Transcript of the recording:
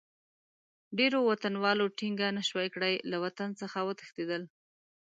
ډېرو وطنوالو ټینګه نه شوای کړای، له وطن څخه وتښتېدل.